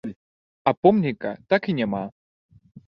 А помніка так і няма.